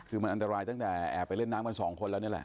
คือมันอันตรายตั้งแต่แอบไปเล่นน้ำกันสองคนแล้วนี่แหละ